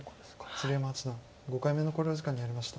鶴山八段５回目の考慮時間に入りました。